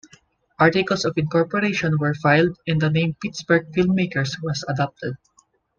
Articles of incorporation were filed and the name Pittsburgh Filmmakers was adopted.